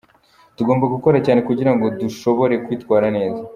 Tugomba gukora cyane kugirango dushobore kwitwara neza.